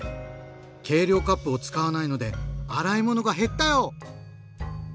計量カップを使わないので洗い物が減ったよ！